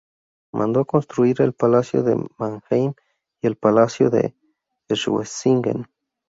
Mandó construir el Palacio de Mannheim y el Palacio de Schwetzingen.